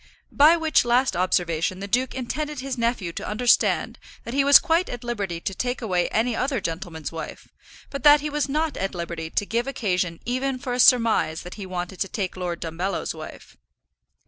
By which last observation the duke intended his nephew to understand that he was quite at liberty to take away any other gentleman's wife, but that he was not at liberty to give occasion even for a surmise that he wanted to take Lord Dumbello's wife.